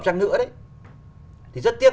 chăng nữa thì rất tiếc